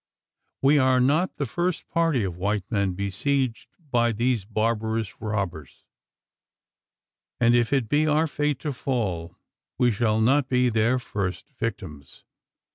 We are not the first party of white men besieged by these barbarous robbers; and if it be our fate to fall, we shall not be their first victims.